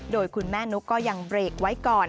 โดยคุณแม่นุ๊กก็ยังเบรกไว้ก่อน